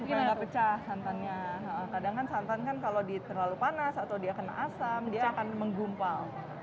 mungkin nggak pecah santannya kadang kan santan kan kalau terlalu panas atau dia kena asam dia akan menggumpal